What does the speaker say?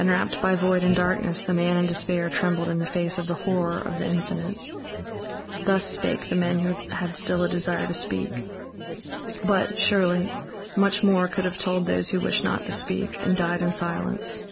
"and wrapped by void and darkness the man in despair trembled in the face of the Horror of the Infinite." Thus spake the men who had still a desire to speak. But, surely, much more could have told those who wished not to speak, and died in silence.